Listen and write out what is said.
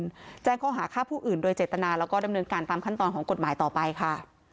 แจ้งข้อหาฆ่าผู้อื่นโดยเจตนาแล้วก็ดำเนินการตามขั้นตอนของกฎหมายต่อไปค่ะ